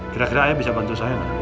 kira kira ayah bisa bantu saya